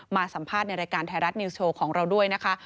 มาสัมภาษณ์ในรายการไทยรัฐนิวสโชว์ของเราด้วยนะคะ